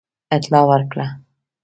اطلاع ورکړه.